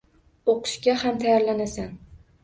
O`qishga ham tayyorlanasan